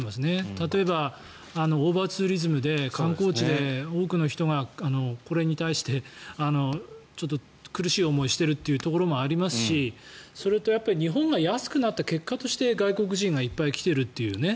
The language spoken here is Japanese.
例えばオーバーツーリズムで観光地で多くの人がこれに対してちょっと苦しい思いをしているところもありますしそれと日本が安くなった結果として外国人がいっぱい来ているというね。